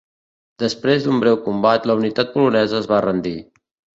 Després d'un breu combat, la unitat polonesa es va rendir.